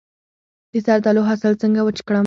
د زردالو حاصل څنګه وچ کړم؟